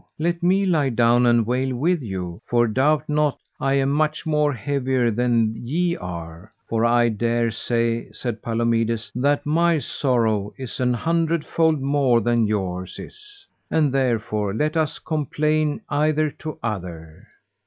let me lie down and wail with you, for doubt not I am much more heavier than ye are; for I dare say, said Palomides, that my sorrow is an hundred fold more than yours is, and therefore let us complain either to other.